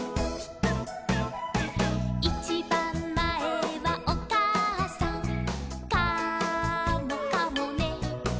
「いちばんまえはおかあさん」「カモかもね」